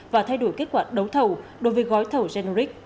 và thay đổi kết quả đấu thầu đối với gói thầu generic